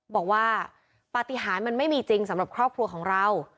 บอกว่าปฏิหารมันไม่มีจริงสำหรับครอบครัวของเรา